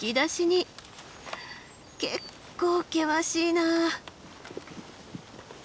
結構険しいな。